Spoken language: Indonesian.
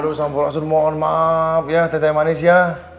aduh sampo rasul mohon maaf ya teteh manisya